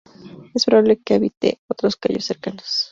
Es probable que habite otros cayos cercanos.